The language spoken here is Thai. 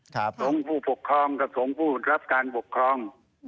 สงฆ์ผู้ปกครองกับสงฆ์ผู้รับการปกครอง